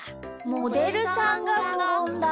「モデルさんがころんだ」？